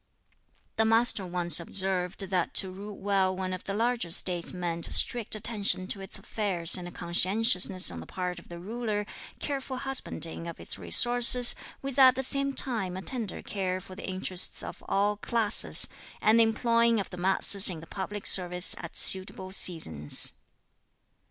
The Master once observed that to rule well one of the larger States meant strict attention to its affairs and conscientiousness on the part of the ruler; careful husbanding of its resources, with at the same time a tender care for the interests of all classes; and the employing of the masses in the public service at suitable seasons.